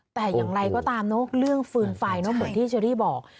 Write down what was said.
แต่อย่างไรก็ตามเนอะเรื่องฟืนไฟเนอะเหมือนที่เชอรี่บอก